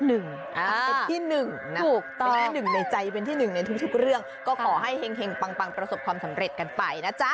เป็นที่๑นะเป็นที่๑ในใจเป็นที่๑ในทุกเรื่องก็ขอให้เฮ็งปังประสบความสำเร็จกันไปนะจ๊ะ